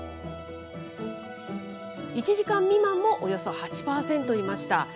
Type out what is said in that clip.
１時間未満もおよそ８％いました。